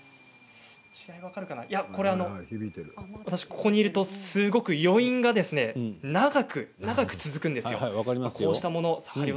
ここにいると余韻が長く長く続くんですよ。